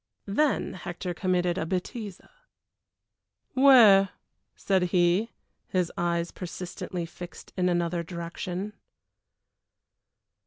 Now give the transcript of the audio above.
Then Hector committed a bêtise. "Where?" said he, his eyes persistently fixed in another direction.